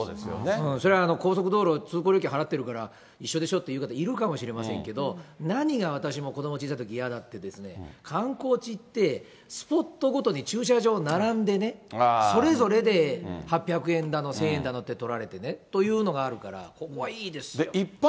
そりゃ、高速道路、通行料金払ってるから、一緒でしょって方、いるかもしれませんけど、何が私、もう子ども小さいとき嫌だったかってですね、観光地行って、スポットごとに駐車場並んでね、それぞれで８００円だの、１０００円だのって取られてねというのがあるから、ここはいいですよ。